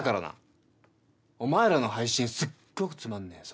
お前らの配信すっごくつまんねえぞ！